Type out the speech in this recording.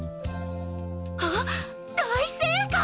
あっ大正解！